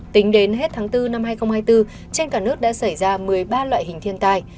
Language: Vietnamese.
tính đến hết tháng bốn năm hai nghìn hai mươi bốn trên cả nước đã xảy ra một mươi ba loại hình thiên tai